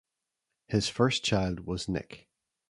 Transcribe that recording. His first child was Nick.